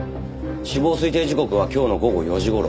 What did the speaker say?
死亡推定時刻は今日の午後４時頃。